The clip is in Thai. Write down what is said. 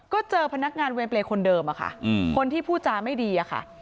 ก็เจอพนักงานเวรเปรย์คนเดิมอะค่ะคนที่พูดจาไม่ดีอะค่ะ